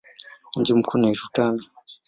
Mji mkuu ni Rutana.